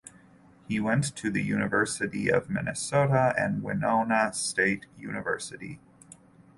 He went to University of Minnesota and Winona State University.